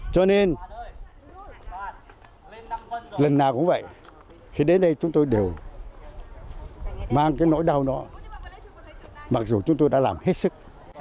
cho nên lần nào cũng vậy thì đến đây chúng tôi đều mang cái nỗi đau đó mặc dù chúng tôi đã làm hết sức